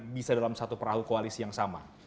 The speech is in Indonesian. bisa dalam satu perahu koalisi yang sama